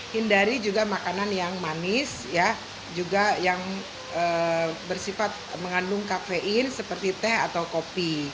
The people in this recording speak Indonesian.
hindari juga makanan yang manis juga yang bersifat mengandung kafein seperti teh atau kopi